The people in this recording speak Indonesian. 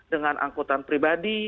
dengan angkutan pribadi